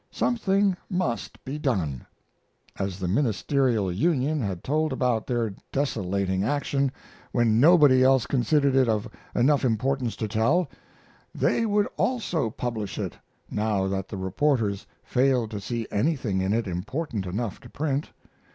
Something must be done. As the Ministerial Union had told about their desolating action, when nobody else considered it of enough importance to tell, they would also publish it, now that the reporters failed to see anything in it important enough to print.